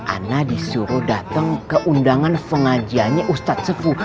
ana disuruh datang ke undangan pengajiannya ustadz sepuh